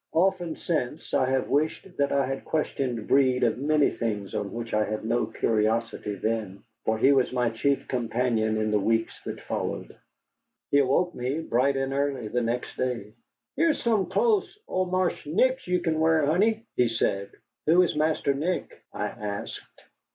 Often since I have wished that I had questioned Breed of many things on which I had no curiosity then, for he was my chief companion in the weeks that followed. He awoke me bright and early the next day. "Heah's some close o' Marse Nick's you kin wear, honey," he said. "Who is Master Nick?" I asked.